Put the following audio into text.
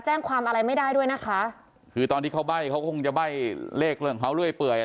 แจ้งความอะไรไม่ได้ด้วยนะคะคือตอนที่เขาใบ้เขาก็คงจะใบ้เลขเรื่องของเขาเรื่อยเปื่อยอ่ะ